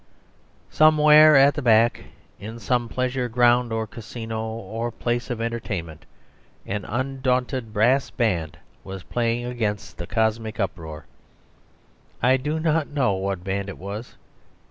Somewhere at the back, in some pleasure ground or casino or place of entertainment, an undaunted brass band was playing against the cosmic uproar. I do not know what band it was.